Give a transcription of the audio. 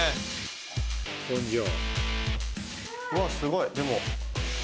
・うわすごいでも・